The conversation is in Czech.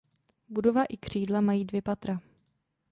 Budova i křídla mají dvě patra.